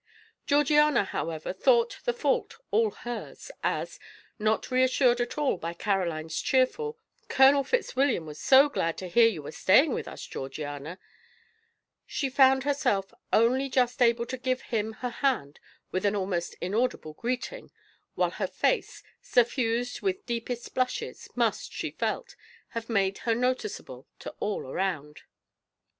Georgiana, however, thought the fault all hers, as, not reassured at all by Caroline's cheerful "Colonel Fitzwilliam was so glad to hear you were staying with us, Georgiana," she found herself only just able to give him her hand with an almost inaudible greeting, while her face, suffused with deepest blushes, must, she felt, have made her noticeable to all around.